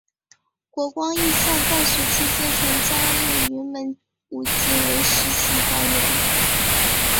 国光艺校在学期间曾加入云门舞集为实习团员。